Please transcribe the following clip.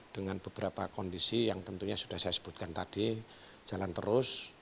dengan beberapa kondisi yang tentunya sudah saya sebutkan tadi jalan terus